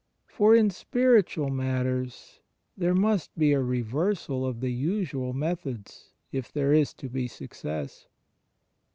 For in spiritual matters there must be a reversal of the usual methods, if there is to be success.